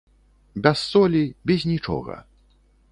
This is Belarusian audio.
Без солі, без нічога.